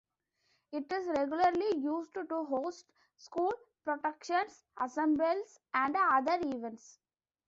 It is regularly used to host school productions, assemblies and other events.